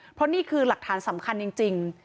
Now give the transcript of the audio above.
เพราะนี่คือหลักฐานสำคัญจริง